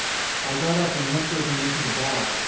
I got up and went with him into the bar.